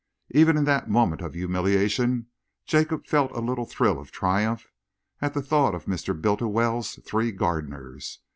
Even in that moment of humiliation, Jacob felt a little thrill of triumph at the thought of Mr. Bultiwell's three gardeners.